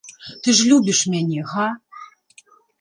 Ты ж любіш мяне, га?